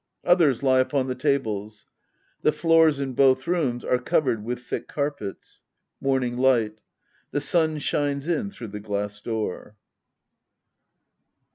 Others lie upon the tables. The floors tn both rooms are covered with thick carpels. — Morning light. The sun shines in through the glass door.